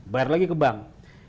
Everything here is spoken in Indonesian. bayar lagi ke bank